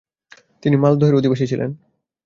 তিনি মালদহের অধিবাসী ছিলেন ।